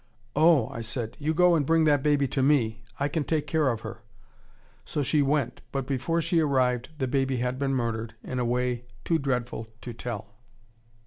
"Oh," I said, "you go and bring that baby to me. I can take care of her." So she went, but before she arrived the baby had been murdered in a way too dreadful to tell.